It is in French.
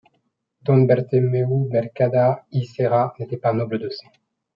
Don Bertomeu Mercadal i Serra n’était pas noble de sang.